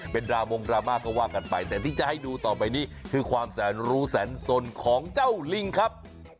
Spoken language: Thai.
เป็นดรามงดราม่าก็ว่ากันไปแต่ที่จะให้ดูต่อไปนี้คือความแสนรู้แสนสนของเจ้าลิงครับ